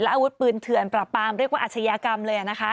และอาวุธปืนเถื่อนประปามเรียกว่าอาชญากรรมเลย